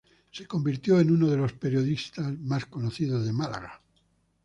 Se convirtió en uno de los periodistas más conocidos de Málaga.